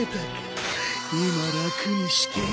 今楽にしてやる。